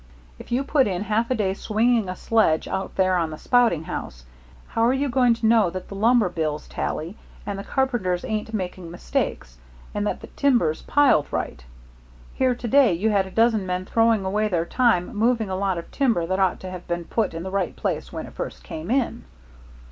If you put in half a day swinging a sledge out there on the spouting house, how're you going to know that the lumber bills tally, and the carpenters ain't making mistakes, and that the timber's piled right. Here to day you had a dozen men throwing away their time moving a lot of timber that ought to have been put in the right place when it first came in."